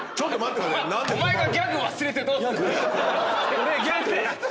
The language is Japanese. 俺ギャグ